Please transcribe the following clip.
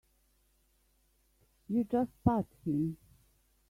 You just pat him.